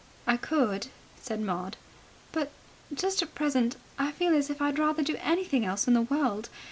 "I could," said Maud, "but, just at present, I feel as if I'd rather do anything else in the world.